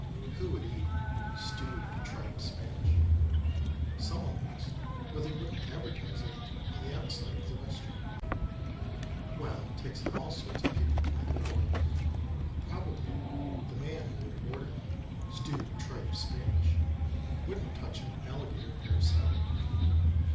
Who would eat "stewed tripe Spanish." Someone must or they wouldn't advertise it on the outside of he restaurant. Well, it takes all sorts of people to make a world. Probably the man who would order "stewed tripe Spanish" wouldn't touch an alligator pear salad.